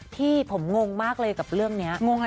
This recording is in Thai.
พี่ผมงงมากเลยกับเรื่องนี้